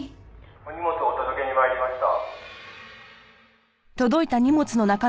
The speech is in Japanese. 「お荷物お届けに参りました」